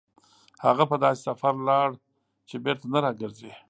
هغه په داسې سفر لاړ چې بېرته نه راګرځي.